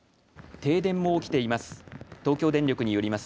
停電も起きています。